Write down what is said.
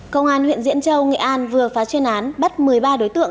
công an huyện diễn châu nghệ an vừa phá chuyên án bắt một mươi ba đối tượng